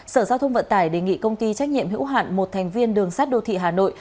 sở giao thông vận tải đề nghị công ty trách nhiệm hữu hạn một thành viên đường sát đô thị hà nội